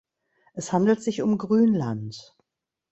Es handelt sich um Grünland.